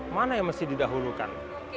mana yang mesti didahulukan